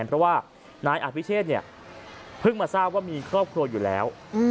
เพราะว่านายอภิเชษเนี่ยเพิ่งมาทราบว่ามีครอบครัวอยู่แล้ว